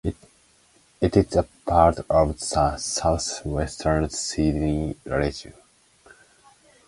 It is a part of the South-western Sydney region.